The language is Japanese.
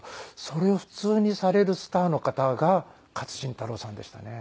それを普通にされるスターの方が勝新太郎さんでしたね。